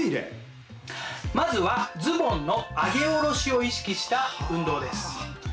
まずはズボンの上げ下ろしを意識した運動です。